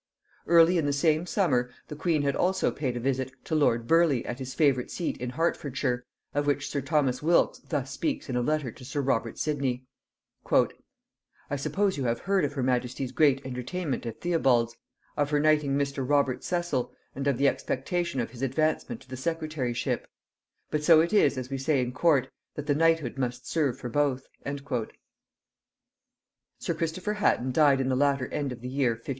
Early in the same summer the queen had also paid a visit to lord Burleigh at his favorite seat in Hertfordshire, of which sir Thomas Wylks thus speaks in a letter to sir Robert Sidney: "I suppose you have heard of her majesty's great entertainment at Theobalds', of her knighting Mr. Robert Cecil, and of the expectation of his advancement to the secretaryship; but so it is as we say in court, that the knighthood must serve for both." [Note 106: "Sidney Papers."] Sir Christopher Hatton died in the latter end of the year 1591.